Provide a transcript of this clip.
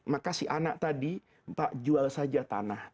maka si anak tadi pak jual saja tanah